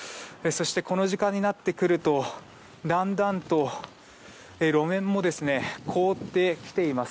この時間になってくるとだんだんと路面も凍ってきています。